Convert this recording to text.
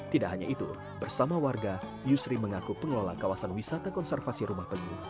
tidak hanya itu bersama warga yusri mengaku pengelola kawasan wisata konservasi rumah penyu